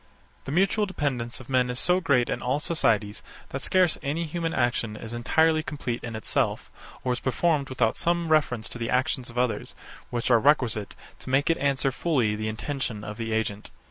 The mutual dependence of men is so great in all societies that scarce any human action is entirely complete in itself, or is performed without some reference to the actions of others, which are requisite to make it answer fully the intention of the agent.